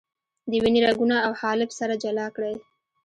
د وینې رګونه او حالب سره جلا کړئ.